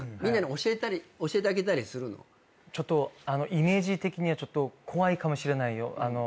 イメージ的にはちょっと怖いかもしれないよ。